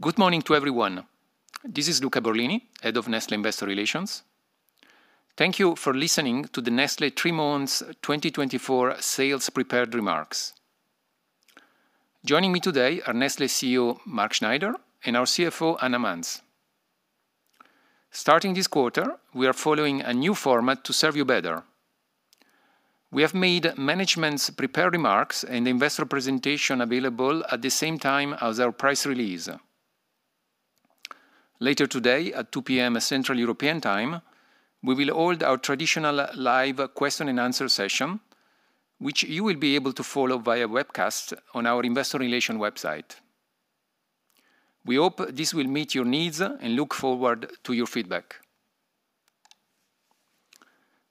Good morning to everyone. This is Luca Borlini, Head of Nestlé Investor Relations. Thank you for listening to the Nestlé three months 2024 sales prepared remarks. Joining me today are Nestlé CEO, Mark Schneider, and our CFO, Anna Manz. Starting this quarter, we are following a new format to serve you better. We have made management's prepared remarks and investor presentation available at the same time as our press release. Later today, at 2:00 P.M. Central European Time, we will hold our traditional live question and answer session, which you will be able to follow via webcast on our investor relations website. We hope this will meet your needs and look forward to your feedback.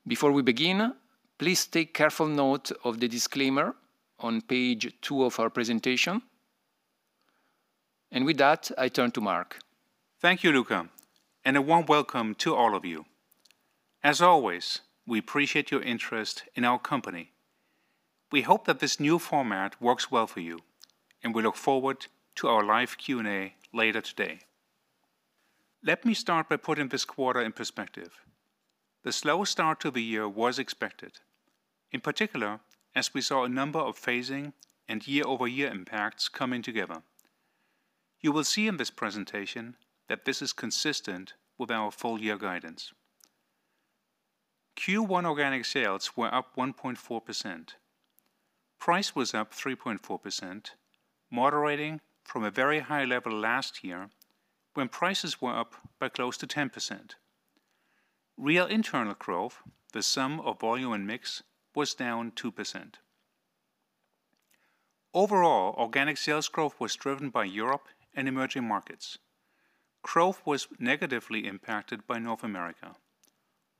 Before we begin, please take careful note of the disclaimer on page two of our presentation. With that, I turn to Mark. Thank you, Luca, and a warm welcome to all of you. As always, we appreciate your interest in our company. We hope that this new format works well for you, and we look forward to our live Q&A later today. Let me start by putting this quarter in perspective. The slow start to the year was expected, in particular, as we saw a number of phasing and year-over-year impacts coming together. You will see in this presentation that this is consistent with our full year guidance. Q1 organic sales were up 1.4%. Price was up 3.4%, moderating from a very high level last year, when prices were up by close to 10%. Real Internal Growth, the sum of volume and mix, was down 2%. Overall, organic sales growth was driven by Europe and emerging markets. Growth was negatively impacted by North America.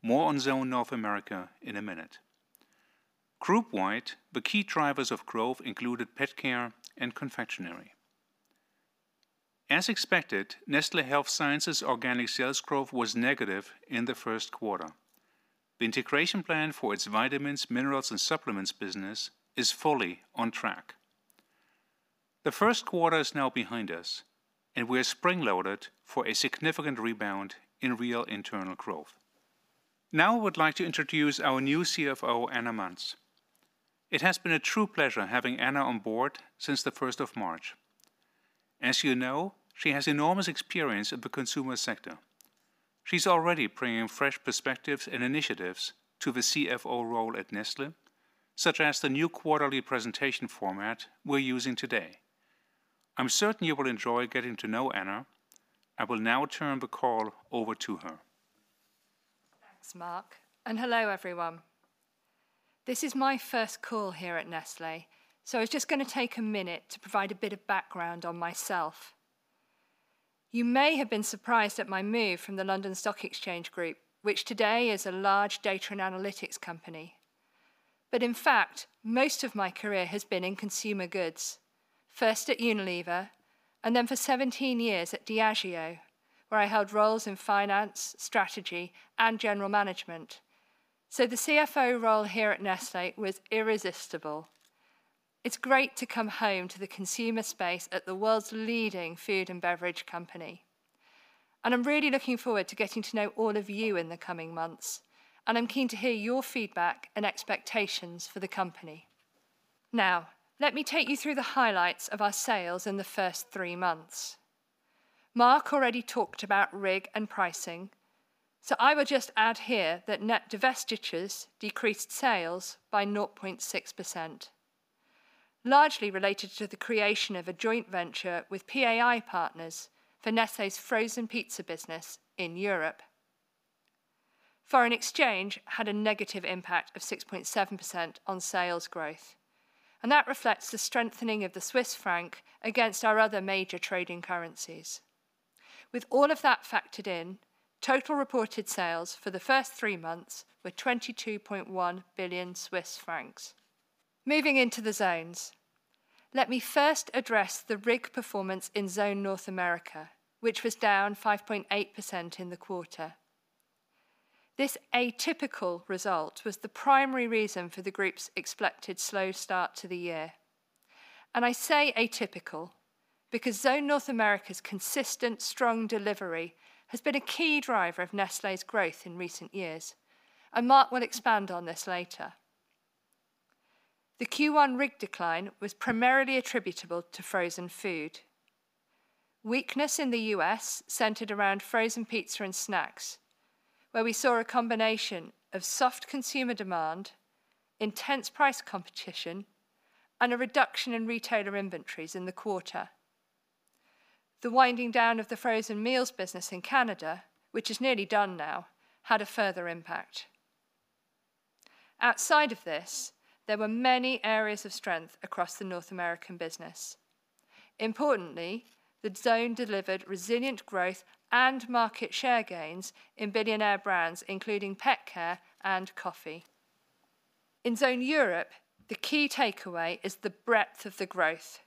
More on Zone North America in a minute. Group-wide, the key drivers of growth included pet care and confectionery. As expected, Nestlé Health Science's organic sales growth was negative in the first quarter. The integration plan for its vitamins, minerals, and supplements business is fully on track. The first quarter is now behind us, and we are spring-loaded for a significant rebound in Real Internal Growth. Now, I would like to introduce our new CFO, Anna Manz. It has been a true pleasure having Anna on board since the first of March. As you know, she has enormous experience in the consumer sector. She's already bringing fresh perspectives and initiatives to the CFO role at Nestlé, such as the new quarterly presentation format we're using today. I'm certain you will enjoy getting to know Anna. I will now turn the call over to her. Thanks, Mark, and hello, everyone. This is my first call here at Nestlé, so I was just gonna take a minute to provide a bit of background on myself. You may have been surprised at my move from the London Stock Exchange Group, which today is a large data and analytics company. But in fact, most of my career has been in consumer goods. First at Unilever, and then for 17 years at Diageo, where I held roles in finance, strategy, and general management. So the CFO role here at Nestlé was irresistible. It's great to come home to the consumer space at the world's leading food and beverage company, and I'm really looking forward to getting to know all of you in the coming months, and I'm keen to hear your feedback and expectations for the company. Now, let me take you through the highlights of our sales in the first three months. Mark already talked about RIG and pricing, so I will just add here that net divestitures decreased sales by 0.6%, largely related to the creation of a joint venture with PAI Partners for Nestlé's frozen pizza business in Europe. Foreign exchange had a negative impact of 6.7% on sales growth, and that reflects the strengthening of the Swiss franc against our other major trading currencies. With all of that factored in, total reported sales for the first three months were 22.1 billion Swiss francs. Moving into the zones, let me first address the RIG performance in Zone North America, which was down 5.8% in the quarter. This atypical result was the primary reason for the group's expected slow start to the year. I say atypical because Zone North America's consistent, strong delivery has been a key driver of Nestlé's growth in recent years, and Mark will expand on this later. The Q1 RIG decline was primarily attributable to frozen food. Weakness in the U.S. centered around frozen pizza and snacks, where we saw a combination of soft consumer demand, intense price competition, and a reduction in retailer inventories in the quarter. The winding down of the frozen meals business in Canada, which is nearly done now, had a further impact. Outside of this, there were many areas of strength across the North American business. Importantly, the zone delivered resilient growth and market share gains in billionaire brands, including pet care and coffee. In Zone Europe, the key takeaway is the breadth of the growth.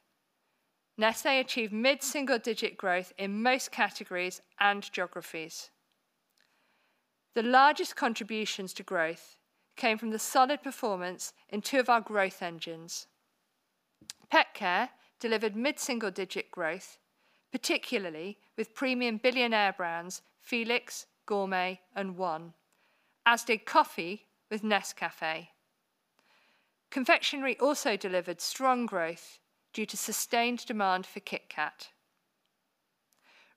Nestlé achieved mid-single-digit growth in most categories and geographies. The largest contributions to growth came from the solid performance in two of our growth engines. Pet Care delivered mid-single-digit growth, particularly with premium billionaire brands Felix, Gourmet, and ONE, as did coffee with Nescafé. Confectionery also delivered strong growth due to sustained demand for KitKat.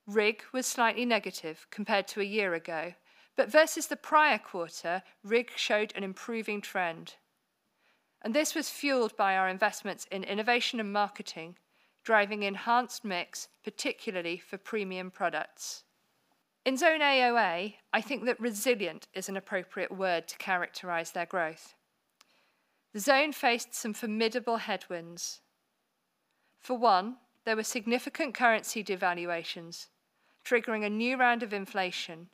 RIG was slightly negative compared to a year ago, but versus the prior quarter, RIG showed an improving trend, and this was fueled by our investments in innovation and marketing, driving enhanced mix, particularly for premium products. In Zone AOA, I think that resilient is an appropriate word to characterize their growth. The zone faced some formidable headwinds. For one, there were significant currency devaluations, triggering a new round of inflation,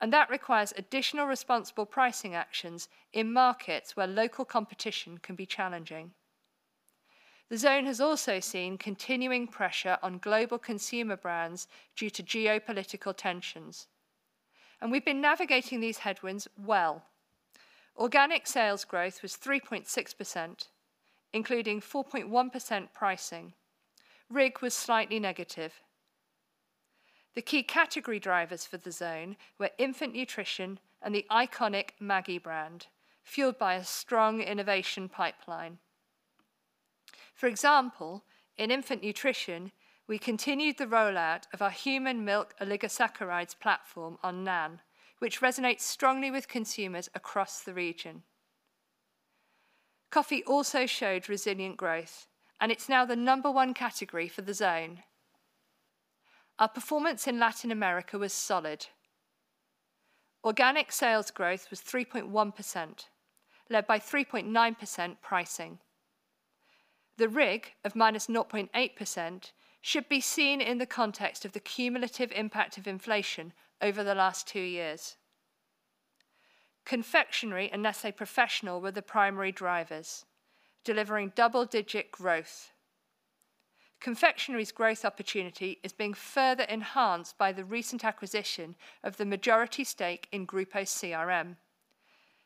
and that requires additional responsible pricing actions in markets where local competition can be challenging. The zone has also seen continuing pressure on global consumer brands due to geopolitical tensions, and we've been navigating these headwinds well. Organic sales growth was 3.6%, including 4.1% pricing. RIG was slightly negative. The key category drivers for the zone were infant nutrition and the iconic Maggi brand, fueled by a strong innovation pipeline. For example, in infant nutrition, we continued the rollout of our human milk oligosaccharides platform on NAN, which resonates strongly with consumers across the region. Coffee also showed resilient growth, and it's now the number one category for the zone. Our performance in Latin America was solid. Organic sales growth was 3.1%, led by 3.9% pricing. The RIG of -0.8% should be seen in the context of the cumulative impact of inflation over the last two years. Confectionery and Nestlé Professional were the primary drivers, delivering double-digit growth. Confectionery's growth opportunity is being further enhanced by the recent acquisition of the majority stake in Grupo CRM.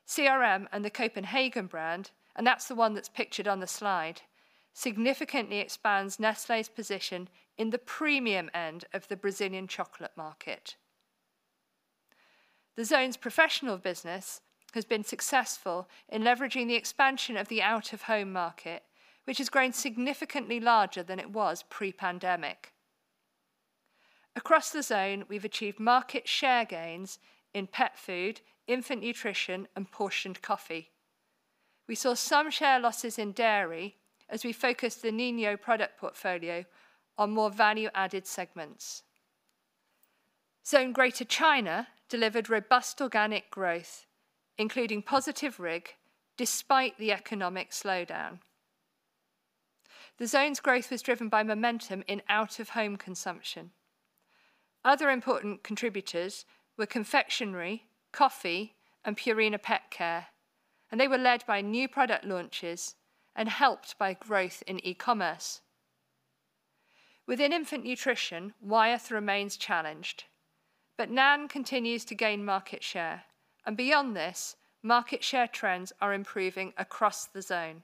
CRM and the Kopenhagen brand, and that's the one that's pictured on the slide, significantly expands Nestlé's position in the premium end of the Brazilian chocolate market. The zone's professional business has been successful in leveraging the expansion of the out-of-home market, which has grown significantly larger than it was pre-pandemic. Across the zone, we've achieved market share gains in pet food, infant nutrition, and portioned coffee. We saw some share losses in dairy as we focused the Ninho product portfolio on more value-added segments. Zone Greater China delivered robust organic growth, including positive RIG, despite the economic slowdown. The zone's growth was driven by momentum in out-of-home consumption. Other important contributors were confectionery, coffee, and Purina PetCare, and they were led by new product launches and helped by growth in e-commerce. Within infant nutrition, Wyeth remains challenged, but NAN continues to gain market share, and beyond this, market share trends are improving across the zone.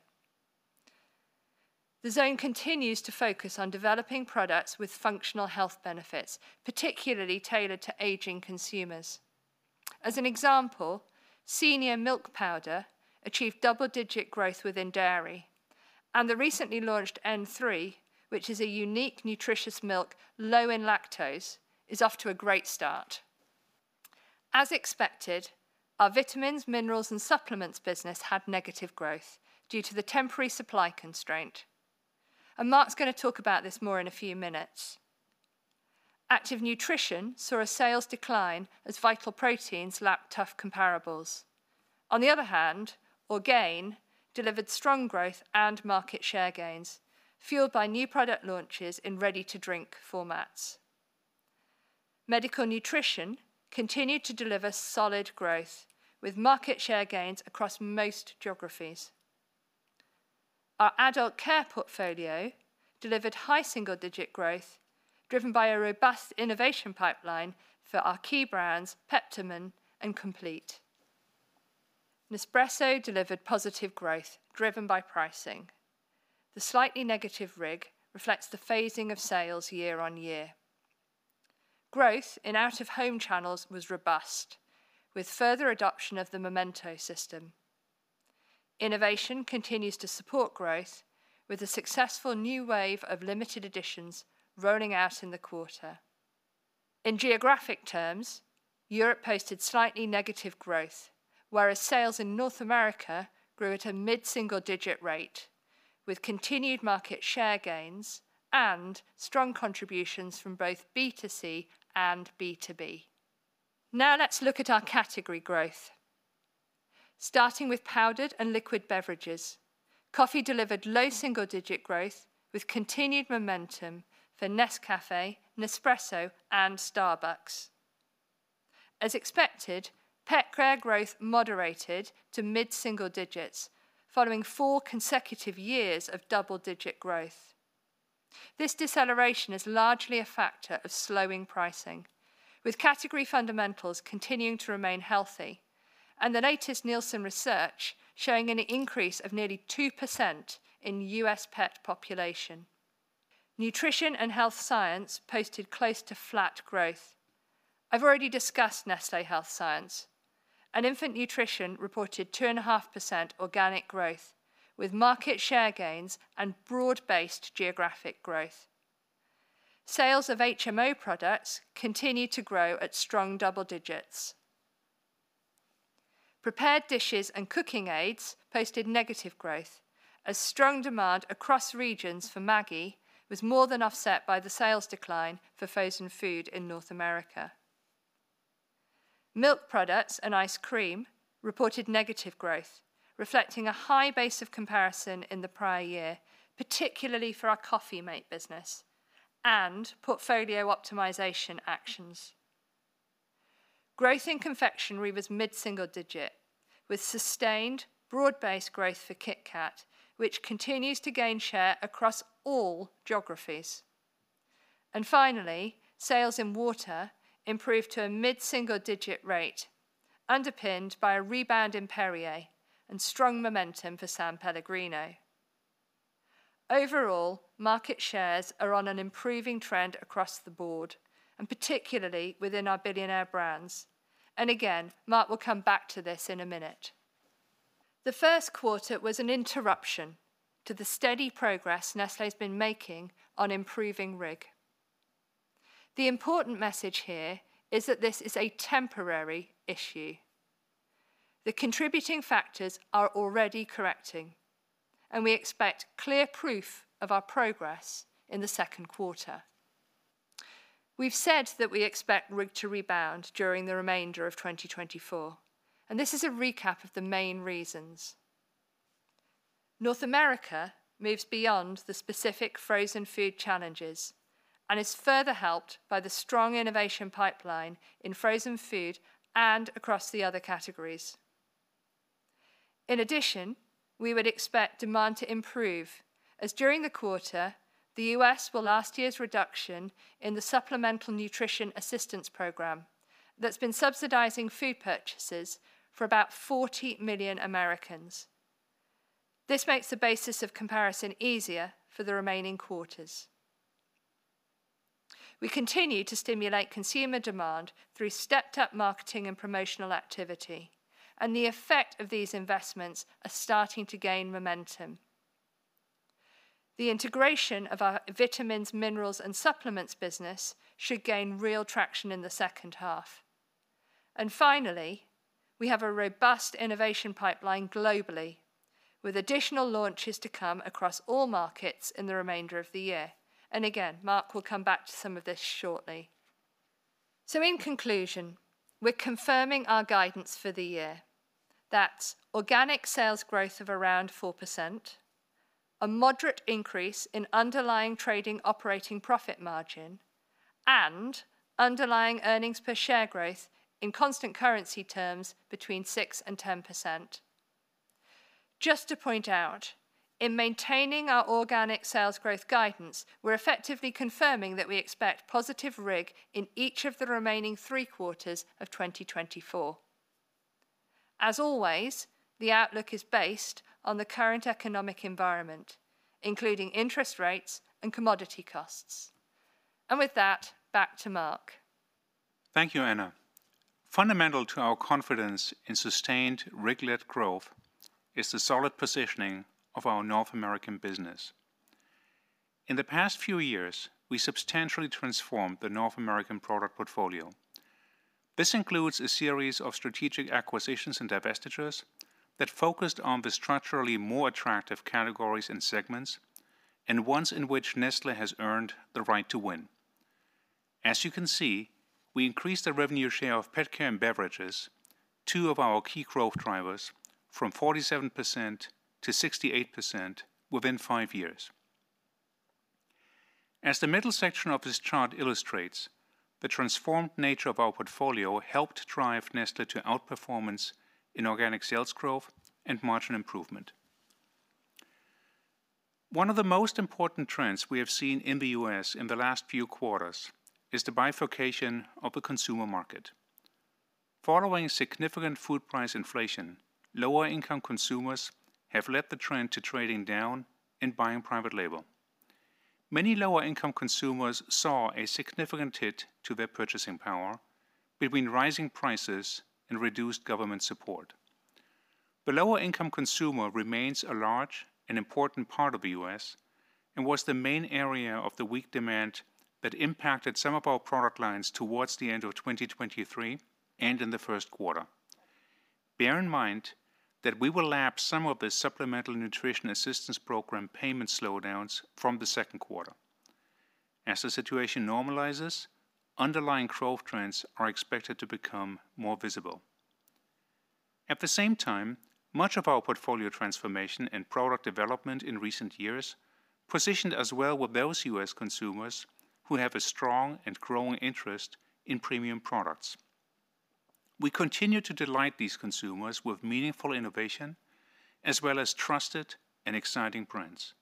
The zone continues to focus on developing products with functional health benefits, particularly tailored to aging consumers. As an example, senior milk powder achieved double-digit growth within dairy, and the recently launched N3, which is a unique, nutritious milk low in lactose, is off to a great start. As expected, our vitamins, minerals, and supplements business had negative growth due to the temporary supply constraint, and Mark's gonna talk about this more in a few minutes. Active Nutrition saw a sales decline as Vital Proteins lacked tough comparables. On the other hand, Orgain delivered strong growth and market share gains, fueled by new product launches in ready-to-drink formats. Medical Nutrition continued to deliver solid growth, with market share gains across most geographies. Our adult care portfolio delivered high single-digit growth, driven by a robust innovation pipeline for our key brands, Peptamen and Compleat. Nespresso delivered positive growth, driven by pricing. The slightly negative RIG reflects the phasing of sales year on year. Growth in out-of-home channels was robust, with further adoption of the Momento system. Innovation continues to support growth, with a successful new wave of limited editions rolling out in the quarter. In geographic terms, Europe posted slightly negative growth, whereas sales in North America grew at a mid-single-digit rate, with continued market share gains and strong contributions from both B2C and B2B. Now let's look at our category growth. Starting with powdered and liquid beverages, coffee delivered low single-digit growth with continued momentum for Nescafé, Nespresso, and Starbucks. As expected, Pet Care growth moderated to mid-single digits, following four consecutive years of double-digit growth. This deceleration is largely a factor of slowing pricing, with category fundamentals continuing to remain healthy, and the latest Nielsen research showing an increase of nearly 2% in U.S. pet population. Nutrition and health science posted close to flat growth. I've already discussed Nestlé Health Science, and infant nutrition reported 2.5% organic growth, with market share gains and broad-based geographic growth. Sales of HMO products continued to grow at strong double digits. Prepared dishes and cooking aids posted negative growth, as strong demand across regions for Maggi was more than offset by the sales decline for frozen food in North America. Milk products and ice cream reported negative growth, reflecting a high base of comparison in the prior year, particularly for our Coffee-mate business and portfolio optimization actions. Growth in confectionery was mid-single digit, with sustained broad-based growth for KitKat, which continues to gain share across all geographies. Finally, sales in water improved to a mid-single digit rate, underpinned by a rebound in Perrier and strong momentum for San Pellegrino. Overall, market shares are on an improving trend across the board, and particularly within our billionaire brands. Again, Mark will come back to this in a minute. The first quarter was an interruption to the steady progress Nestlé has been making on improving RIG. The important message here is that this is a temporary issue. The contributing factors are already correcting, and we expect clear proof of our progress in the second quarter. We've said that we expect RIG to rebound during the remainder of 2024, and this is a recap of the main reasons. North America moves beyond the specific frozen food challenges and is further helped by the strong innovation pipeline in frozen food and across the other categories. In addition, we would expect demand to improve, as during the quarter, the U.S. will lap last year's reduction in the Supplemental Nutrition Assistance Program that's been subsidizing food purchases for about 40 million Americans. This makes the basis of comparison easier for the remaining quarters. We continue to stimulate consumer demand through stepped-up marketing and promotional activity, and the effect of these investments are starting to gain momentum. The integration of our vitamins, minerals, and supplements business should gain real traction in the second half. And finally, we have a robust innovation pipeline globally, with additional launches to come across all markets in the remainder of the year. And again, Mark will come back to some of this shortly. So in conclusion, we're confirming our guidance for the year. That's organic sales growth of around 4%, a moderate increase in underlying trading operating profit margin, and underlying earnings per share growth in constant currency terms between 6% and 10%. Just to point out, in maintaining our organic sales growth guidance, we're effectively confirming that we expect positive RIG in each of the remaining three quarters of 2024. As always, the outlook is based on the current economic environment, including interest rates and commodity costs. And with that, back to Mark. Thank you, Anna. Fundamental to our confidence in sustained regulated growth is the solid positioning of our North American business. In the past few years, we substantially transformed the North American product portfolio. This includes a series of strategic acquisitions and divestitures that focused on the structurally more attractive categories and segments, and ones in which Nestlé has earned the right to win. As you can see, we increased the revenue share of pet care and beverages, two of our key growth drivers, from 47% to 68% within five years. As the middle section of this chart illustrates, the transformed nature of our portfolio helped drive Nestlé to outperformance in organic sales growth and margin improvement. One of the most important trends we have seen in the U.S. in the last few quarters is the bifurcation of the consumer market. Following significant food price inflation, lower-income consumers have led the trend to trading down and buying private label. Many lower-income consumers saw a significant hit to their purchasing power between rising prices and reduced government support. The lower-income consumer remains a large and important part of the U.S. and was the main area of the weak demand that impacted some of our product lines towards the end of 2023 and in the first quarter. Bear in mind that we will lap some of the Supplemental Nutrition Assistance Program payment slowdowns from the second quarter. As the situation normalizes, underlying growth trends are expected to become more visible. At the same time, much of our portfolio transformation and product development in recent years positioned us well with those U.S. consumers who have a strong and growing interest in premium products. We continue to delight these consumers with meaningful innovation, as well as trusted and exciting brands.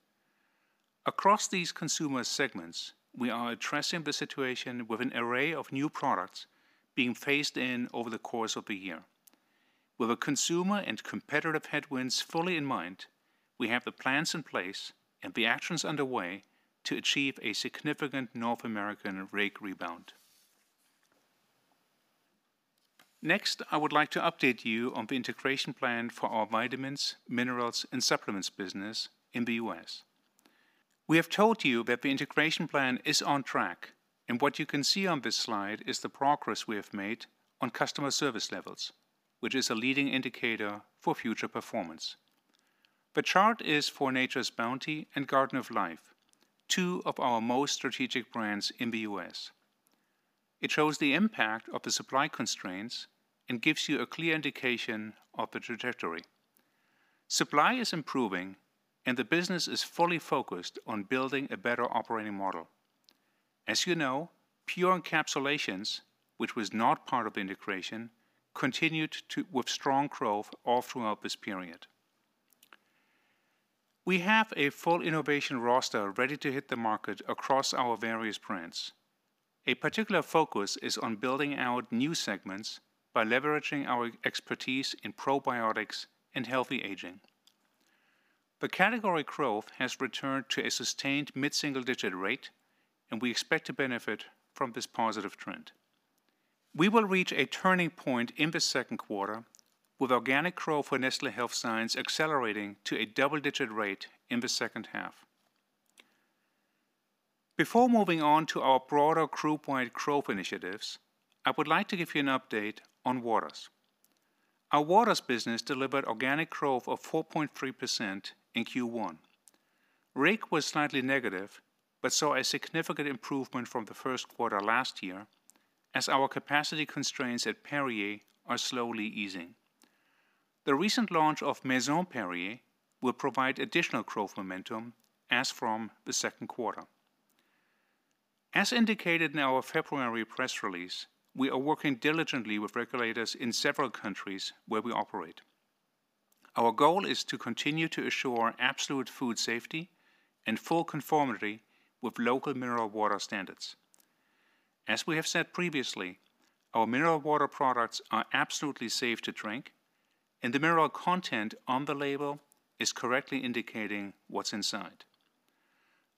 Across these consumer segments, we are addressing the situation with an array of new products being phased in over the course of the year. With the consumer and competitive headwinds fully in mind, we have the plans in place and the actions underway to achieve a significant North American RIG rebound. Next, I would like to update you on the integration plan for our vitamins, minerals, and supplements business in the U.S. We have told you that the integration plan is on track, and what you can see on this slide is the progress we have made on customer service levels, which is a leading indicator for future performance. The chart is for Nature's Bounty and Garden of Life, two of our most strategic brands in the U.S. It shows the impact of the supply constraints and gives you a clear indication of the trajectory. Supply is improving, and the business is fully focused on building a better operating model. As you know, Pure Encapsulations, which was not part of the integration, continued with strong growth all throughout this period. We have a full innovation roster ready to hit the market across our various brands. A particular focus is on building out new segments by leveraging our expertise in probiotics and healthy aging. The category growth has returned to a sustained mid-single-digit rate, and we expect to benefit from this positive trend. We will reach a turning point in the second quarter, with organic growth for Nestlé Health Science accelerating to a double-digit rate in the second half. Before moving on to our broader group-wide growth initiatives, I would like to give you an update on waters. Our waters business delivered organic growth of 4.3% in Q1. RIG was slightly negative, but saw a significant improvement from the first quarter last year, as our capacity constraints at Perrier are slowly easing. The recent launch of Maison Perrier will provide additional growth momentum as from the second quarter. As indicated in our February press release, we are working diligently with regulators in several countries where we operate. Our goal is to continue to assure absolute food safety and full conformity with local mineral water standards. As we have said previously, our mineral water products are absolutely safe to drink, and the mineral content on the label is correctly indicating what's inside.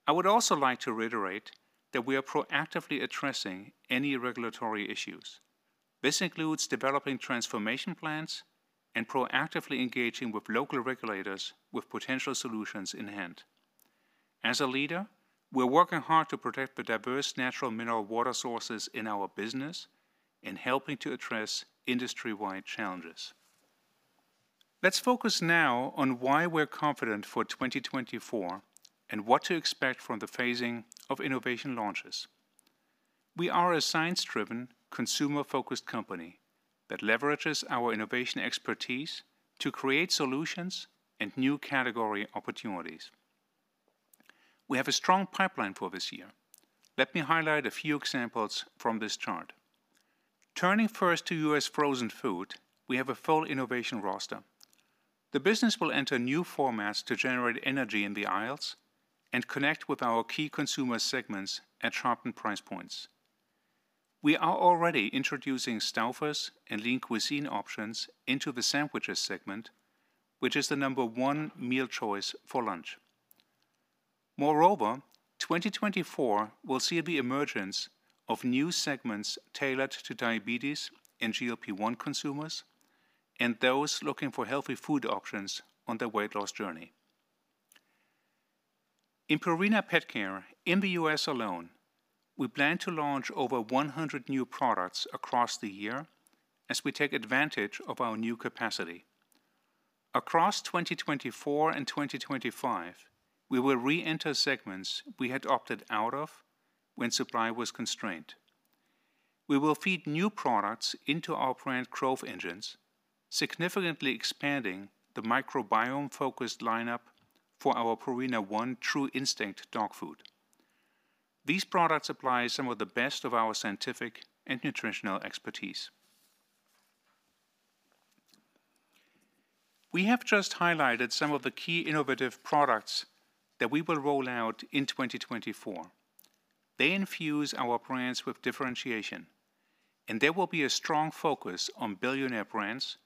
I would also like to reiterate that we are proactively addressing any regulatory issues. This includes developing transformation plans and proactively engaging with local regulators with potential solutions in hand. As a leader, we're working hard to protect the diverse natural mineral water sources in our business and helping to address industry-wide challenges. Let's focus now on why we're confident for 2024 and what to expect from the phasing of innovation launches. We are a science-driven, consumer-focused company that leverages our innovation expertise to create solutions and new category opportunities. We have a strong pipeline for this year. Let me highlight a few examples from this chart. Turning first to U.S. frozen food, we have a full innovation roster. The business will enter new formats to generate energy in the aisles and connect with our key consumer segments at sharpened price points. We are already introducing Stouffer's and Lean Cuisine options into the sandwiches segment, which is the number one meal choice for lunch. Moreover, 2024 will see the emergence of new segments tailored to diabetes and GLP-1 consumers, and those looking for healthy food options on their weight loss journey. In Purina PetCare, in the U.S. alone, we plan to launch over 100 new products across the year as we take advantage of our new capacity. Across 2024 and 2025, we will reenter segments we had opted out of when supply was constrained. We will feed new products into our brand growth engines, significantly expanding the microbiome-focused lineup for our Purina ONE True Instinct dog food. These products apply some of the best of our scientific and nutritional expertise. We have just highlighted some of the key innovative products that we will roll out in 2024. They infuse our brands with differentiation, and there will be a strong focus on billionaire brands,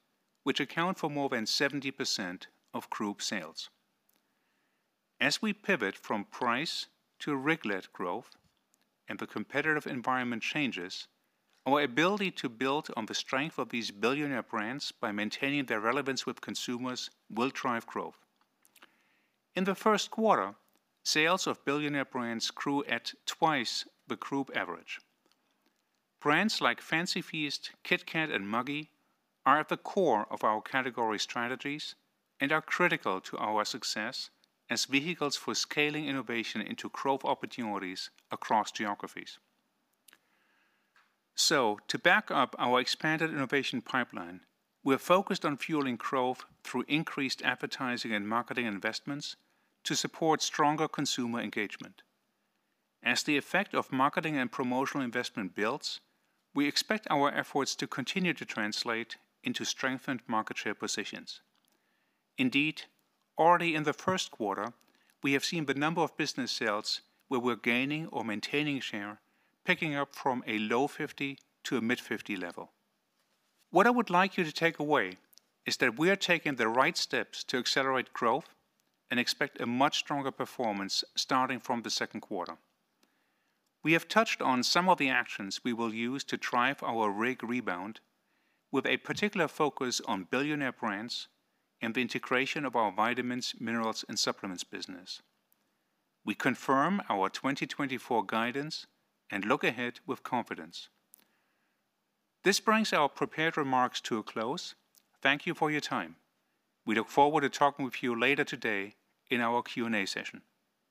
which account for more than 70% of group sales. As we pivot from price to RIG-led growth and the competitive environment changes, our ability to build on the strength of these billionaire brands by maintaining their relevance with consumers will drive growth. In the first quarter, sales of billionaire brands grew at twice the group average. Brands like Fancy Feast, KitKat, and Maggi are at the core of our category strategies and are critical to our success as vehicles for scaling innovation into growth opportunities across geographies. So to back up our expanded innovation pipeline, we're focused on fueling growth through increased advertising and marketing investments to support stronger consumer engagement. As the effect of marketing and promotional investment builds, we expect our efforts to continue to translate into strengthened market share positions. Indeed, already in the first quarter, we have seen the number of business sales where we're gaining or maintaining share, picking up from a low 50 to a mid-50 level. What I would like you to take away is that we are taking the right steps to accelerate growth and expect a much stronger performance starting from the second quarter. We have touched on some of the actions we will use to drive our RIG rebound, with a particular focus on billionaire brands and the integration of our vitamins, minerals, and supplements business. We confirm our 2024 guidance and look ahead with confidence. This brings our prepared remarks to a close. Thank you for your time. We look forward to talking with you later today in our Q&A session.